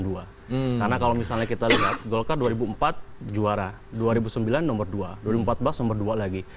karena kalau misalnya kita lihat golkar dua ribu empat juara dua ribu sembilan nomor dua dua ribu empat belas nomor dua lagi